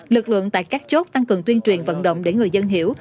lực lượng tại các chốt tăng cường tuyên truyền vận động để người dân hiểu